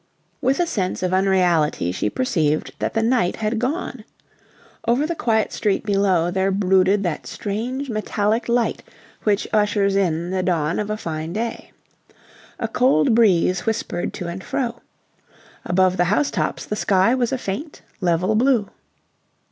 With a sense of unreality she perceived that the night had gone. Over the quiet street below there brooded that strange, metallic light which ushers in the dawn of a fine day. A cold breeze whispered to and fro. Above the house tops the sky was a faint, level blue.